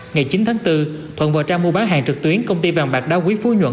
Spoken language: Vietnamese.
ngày chín tháng bốn thuận vờ trang mua bán hàng trực tuyến công ty vàng bạc đa quý phú nhuận